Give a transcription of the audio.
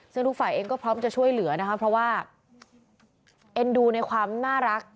ซึ่งทุกฝ่ายเองก็พร้อมจะช่วยเหลือนะคะเพราะว่าเอ็นดูในความน่ารัก